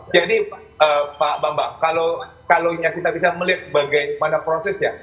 jadi pak bambang kalau kita bisa melihat bagaimana prosesnya